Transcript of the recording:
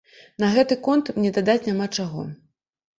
На гэты конт мне дадаць няма чаго.